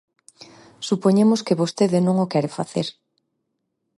Supoñemos que vostede non o quere facer.